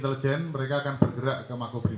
kak dan m ini ada di nusa kampangan sudah